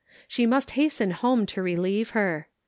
She must hasten home to relieve her.